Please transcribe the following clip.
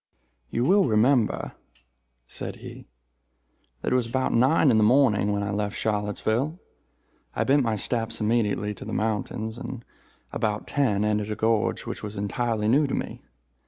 "You will remember," said he, "that it was about nine in the morning when I left Charlottesville. I bent my steps immediately to the mountains, and, about ten, entered a gorge which was entirely new to me.